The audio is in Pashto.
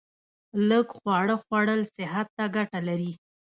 لږ خواړه خوړل صحت ته ګټه لري